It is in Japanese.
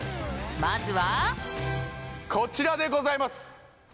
まずはこちらでございます